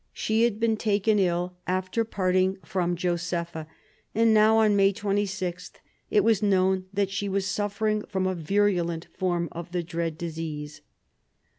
She had been taken ill after parting from Josepha, and now, on May 26, it was known that she was suffering from a virulent form of the dread disease.